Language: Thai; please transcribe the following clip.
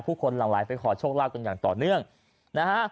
คนหลังไหลไปขอโชคลาภกันอย่างต่อเนื่องนะฮะ